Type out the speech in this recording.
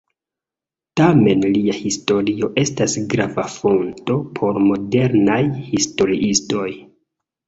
Tamen lia historio estas grava fonto por modernaj historiistoj.